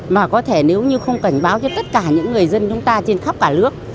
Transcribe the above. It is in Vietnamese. mà có thể nếu như không cảnh báo cho tất cả những người dân chúng ta trên khắp cả nước